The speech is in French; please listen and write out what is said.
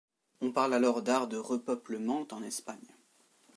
On parle alors d'art de repeuplement en Espagne.